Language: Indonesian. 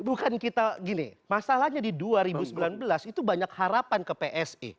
bukan kita gini masalahnya di dua ribu sembilan belas itu banyak harapan ke psi